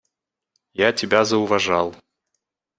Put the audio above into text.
Я тебя зауважал.